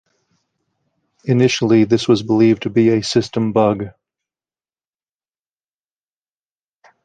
Initially this was believed to be a system bug.